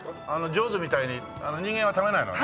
『ジョーズ』みたいに人間は食べないのね？